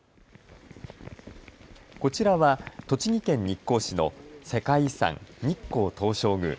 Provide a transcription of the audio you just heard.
こちらは栃木県日光市の世界遺産、日光東照宮。